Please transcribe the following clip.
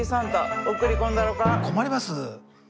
困ります。